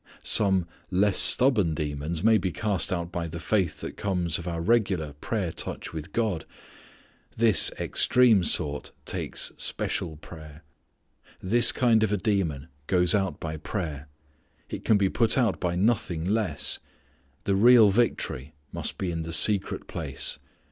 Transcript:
Some less stubborn demons may be cast out by the faith that comes of our regular prayer touch with God. This extreme sort takes special prayer. This kind of a demon goes out by prayer. It can be put out by nothing less. The real victory must be in the secret place.